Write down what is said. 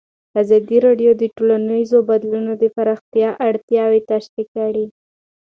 ازادي راډیو د ټولنیز بدلون د پراختیا اړتیاوې تشریح کړي.